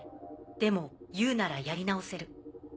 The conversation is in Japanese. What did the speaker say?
でも「Ｕ」ならやり直せる。